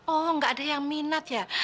oh nggak ada yang minat ya